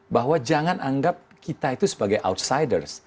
bahwa jangan anggap kita itu sebagai outsiders